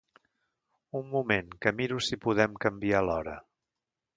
Un moment que miro si podem canviar l'hora.